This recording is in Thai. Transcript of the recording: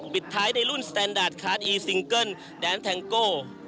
ปิดท้ายในรุ่นสแตนดาร์คาร์ดอีซิงเกิ้ลแดนแทงโก้